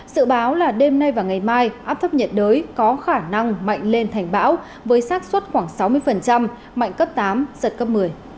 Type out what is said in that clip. sự báo là đêm nay và ngày mai áp thấp nhiệt đới có khả năng mạnh lên thành bão với sát xuất khoảng sáu mươi mạnh cấp tám giật cấp một mươi